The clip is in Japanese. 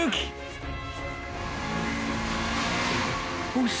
よし。